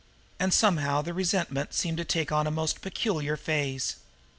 And somehow the resentment seemed to take a most peculiar phase.